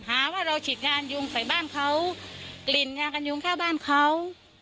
หาว่าเราฉีดงานยุงใส่บ้านเขากลิ่นยากันยุงข้าวบ้านเขา